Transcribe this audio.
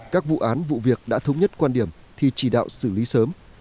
các vụ án vụ việc đã thống nhất quan điểm thì chỉ đạo xử lý sớm